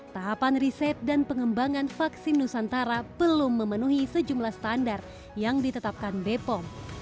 tahapan riset dan pengembangan vaksin nusantara belum memenuhi sejumlah standar yang ditetapkan bepom